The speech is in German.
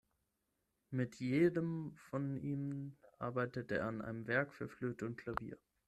Mit jedem von ihnen arbeitete er an einem Werk für Flöte und Klavier.